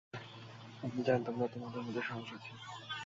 আমি জানতাম না তোমাদের মধ্যে সাহস আছে।